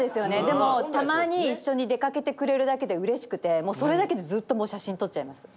でもたまにいっしょにでかけてくれるだけでうれしくてそれだけでずっともうしゃしんとっちゃいます。